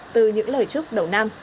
từ những lời chúc đầu năm